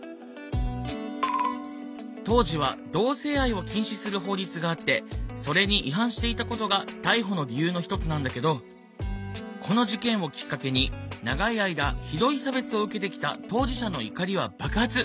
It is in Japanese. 当時は同性愛を禁止する法律があってそれに違反していたことが逮捕の理由の一つなんだけどこの事件をきっかけに長い間ひどい差別を受けてきた当事者の怒りは爆発！